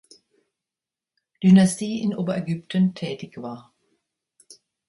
Dynastie in Oberägypten tätig war.